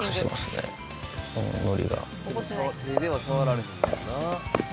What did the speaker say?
手では触られへんもんな。